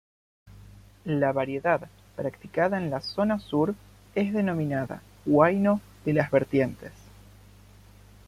La variedad practicada en la zona sur es denominada Huayno de las vertientes.